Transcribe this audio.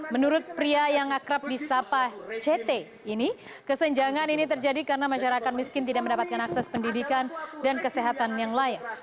menurut pria yang akrab di sapa ct ini kesenjangan ini terjadi karena masyarakat miskin tidak mendapatkan akses pendidikan dan kesehatan yang layak